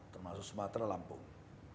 termasuk sumatera lampung